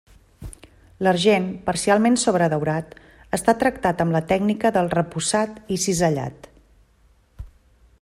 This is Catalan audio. L'argent, parcialment sobredaurat, està tractat amb la tècnica del repussat i cisellat.